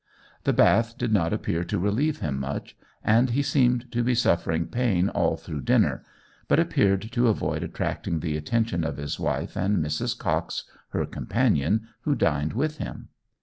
The bath did not appear to relieve him much, and he seemed to be suffering pain all through dinner, but appeared to avoid attracting the attention of his wife and Mrs. Cox, her companion, who dined with him.